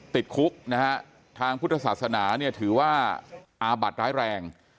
ติดคุกนะฮะทางพุทธศาสนาเนี่ยถือว่าอาบัติร้ายแรง